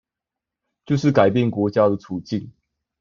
就是改變國家的處境